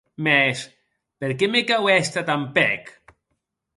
Mès, per qué me cau èster tan pèc?